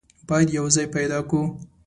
بايد يو ځای پيدا کو.